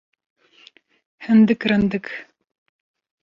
Hindik rindik.